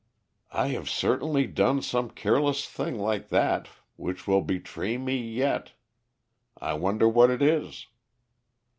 "I have certainly done some careless thing like that which will betray me yet; I wonder what it is?"